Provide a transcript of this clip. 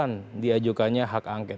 mengusulkan diajukannya hak angket